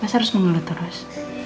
masa harus mengeluh terus